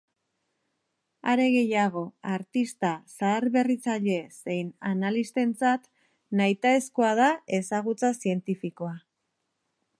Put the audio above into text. Are gehiago, artista, zaharberritzaile zein analistentzat nahitaezkoa da ezagutza zientifikoa.